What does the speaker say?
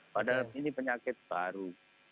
padahal ini penyakit baru